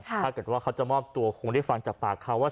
ถ้าเกิดว่าเขาจะมอบตัวคงได้ฟังจากปากเขาว่า